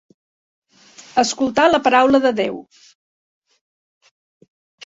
Escoltar la paraula de Déu.